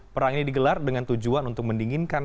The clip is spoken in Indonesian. perang ini digelar dengan tujuan untuk mendinginkan